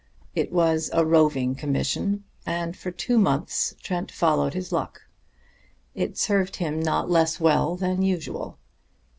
It was a roving commission, and for two months Trent followed his luck. It served him not less well than usual.